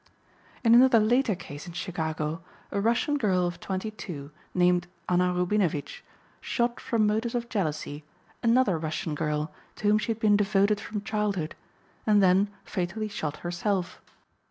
In another later case in Chicago a Russian girl of 22, named Anna Rubinowitch, shot from motives of jealousy another Russian girl to whom she had been devoted from childhood, and then fatally shot herself.